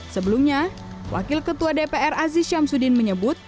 sebelumnya wakil ketua dpr aziz syamsuddin menyebut